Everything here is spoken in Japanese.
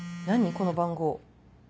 この番号。